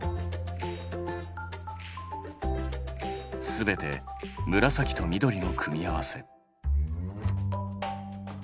すべて紫と緑の組み合わせ。